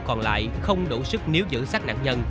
còn lại không đủ sức níu giữ sát nạn nhân